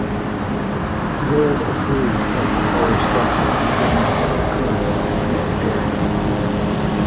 Gold accrues as the player steps on gems or currency.